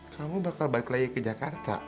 kamu bakal balik lagi ke jakarta